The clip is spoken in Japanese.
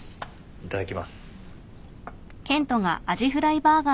いただきます。